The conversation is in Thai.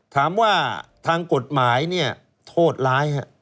ถามว่าทางกฎหมายเนี่ยโทษร้าย